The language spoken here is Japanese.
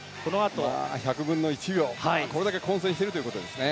１００分の１秒これだけ混戦しているということですね。